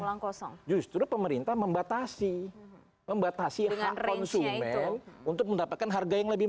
langkosong justru pemerintah membatasi membatasi dengan konsumen untuk mendapatkan harga yang lebih